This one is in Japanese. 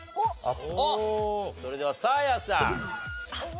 それではサーヤさん。